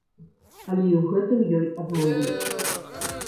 Але і ў гэтым ёй адмовілі.